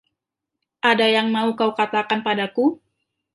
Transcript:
Ada yang mau kau katakan padaku?